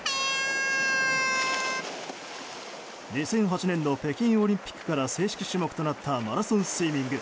２００８年の北京オリンピックから正式種目となったマラソンスイミング。